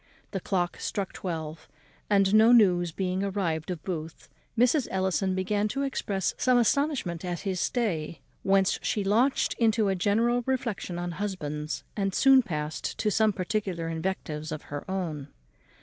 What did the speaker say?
The clock struck twelve; and, no news being arrived of Booth, Mrs. Ellison began to express some astonishment at his stay, whence she launched into a general reflexion on husbands, and soon passed to some particular invectives on her own.